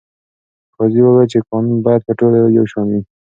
قاضي وویل چې قانون باید په ټولو یو شان وي.